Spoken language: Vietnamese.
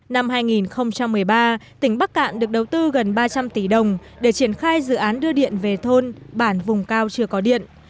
năm hai nghìn một mươi ba tỉnh bắc cạn được đầu tư gần ba trăm linh tỷ đồng để triển khai dự án đưa điện về thôn bản vùng cao chưa có điện